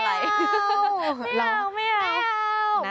ไม่เอาไม่เอา